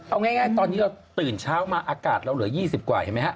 เอาง่ายตอนนี้เราตื่นเช้ามาอากาศเราเหลือ๒๐กว่าเห็นไหมฮะ